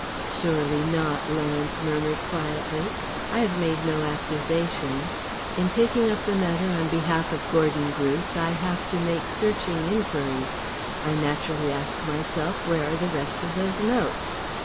"Surely not," Lawrence murmured quietly. "I have made no accusations. In taking up the matter on behalf of Gordon Bruce, I have to make searching inquiries. I naturally ask myself where are the rest of those notes.